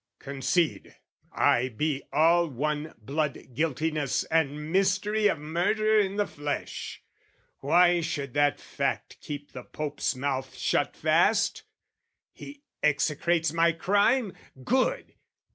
Concede I be all one bloodguiltiness And mystery of murder in the flesh, Why should that fact keep the Pope's mouth shut fast? He execrates my crime, good!